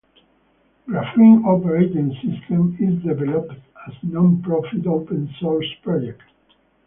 Graphene Operating System is developed as a non-profit open source project.